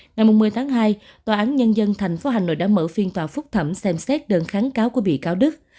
ngày một mươi tháng hai tòa án nhân dân tp hà nội đã mở phiên tòa phúc thẩm xem xét đơn kháng cáo của bị cáo đức